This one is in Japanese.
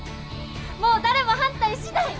もう誰も反対しない！